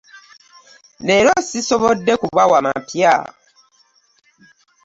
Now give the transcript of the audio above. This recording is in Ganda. Leero ssisobodde kubawa mapya.